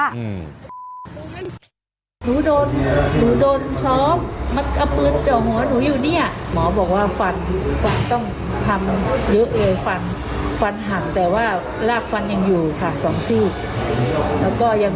ดูกเล็กกระดูกน้อยตรงนี่ว่ามีร้่ามมีแสงสิ่งป้อง